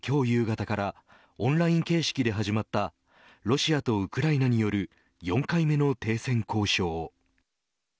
夕方からオンライン形式で始まったロシアとウクライナによる４回目の停戦交渉。